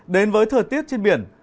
đến với thời tiết trên biển